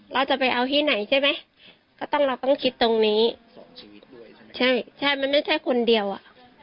เราจะไปเอาที่ไหนใช่ไหมก็ต้องเราต้องคิดตรงนี้ใช่ใช่มันไม่ใช่คนเดียวอ่ะ